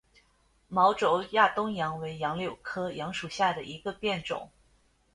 毛轴亚东杨为杨柳科杨属下的一个变种。